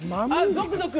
ゾクゾク。